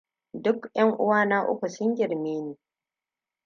Duk 'yan uwana uku sun girme ni.